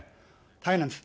大変なんです。